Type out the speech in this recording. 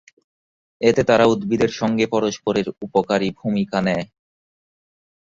এতে তারা উদ্ভিদের সঙ্গে পরস্পরের উপকারী ভূমিকা নেয়।